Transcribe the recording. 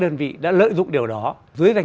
đơn vị đã lợi dụng điều đó dưới danh